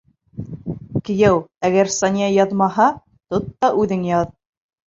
Кейәү, әгәр Сания яҙмаһа, тот та үҙең яҙ.